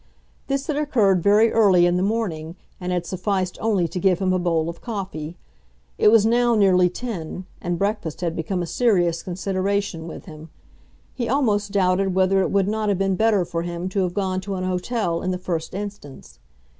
This had occurred very early in the morning, and had sufficed only to give him a bowl of coffee. It was now nearly ten, and breakfast had become a serious consideration with him. He almost doubted whether it would not have been better for him to have gone to an hotel in the first instance.